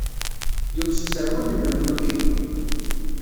Yumes userwal-nnem n ujean.